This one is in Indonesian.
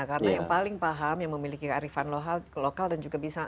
karena yang paling paham yang memiliki arifan lokal dan juga bisa